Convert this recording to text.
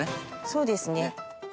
そうですね。